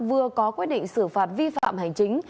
vừa có quyết định xử phạt vi phạm hành chính